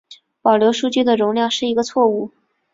保留数据的容量是一个错误。